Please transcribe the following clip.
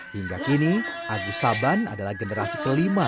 hingga kini agus saban adalah generasi kelima